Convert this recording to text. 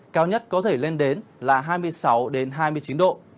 cao nhất có thể lên đến là hai mươi sáu hai mươi chín độ